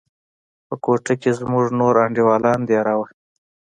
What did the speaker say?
په كوټه کښې زموږ نور انډيوالان دېره وو.